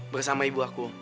bersama ibu aku